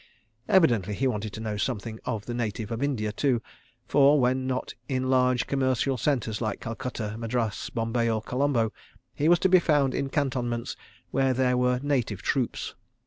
Evidently he wanted to know something of the native of India, too, for when not in large commercial centres like Calcutta, Madras, Bombay or Colombo, he was to be found in cantonments where there were Native Troops.